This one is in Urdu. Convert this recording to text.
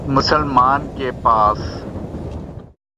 مسلمان کے پاس